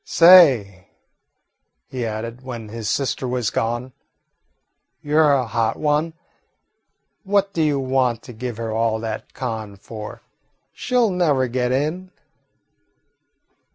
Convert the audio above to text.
Say," he added, when his sister was gone, "you 're a hot one. What do you want to give her all that con for? She 'll never get in."